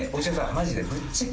マジでぶっちゃけ。